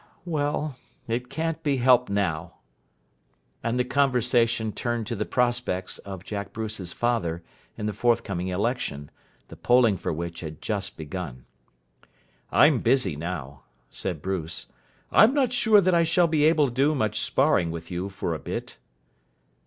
Well, it can't be helped now." And the conversation turned to the prospects of Jack Bruce's father in the forthcoming election, the polling for which had just begun. "I'm busy now," said Bruce. "I'm not sure that I shall be able to do much sparring with you for a bit."